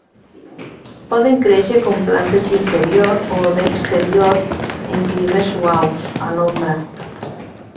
Poden créixer com plantes d'interior o d'exterior en climes suaus, a l'ombra.